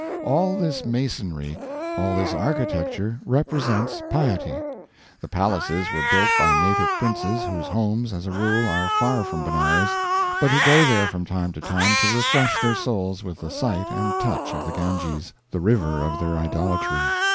All this masonry, all this architecture represents piety. The palaces were built by native princes whose homes, as a rule, are far from Benares, but who go there from time to time to refresh their souls with the sight and touch of the Ganges, the river of their idolatry.